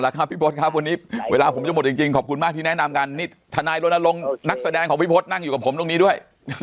แล้วครับพี่พศครับวันนี้เวลาผมจะหมดจริงขอบคุณมากที่แนะนำกันนี่ทนายรณรงค์นักแสดงของพี่พศนั่งอยู่กับผมตรงนี้ด้วย